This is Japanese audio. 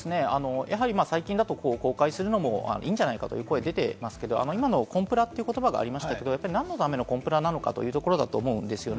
最近だと公開するのもいいんじゃないかという声が出てますけれども、今のコンプラっていう言葉がありましたけれども、何のためのコンプラなのかというところだと思います。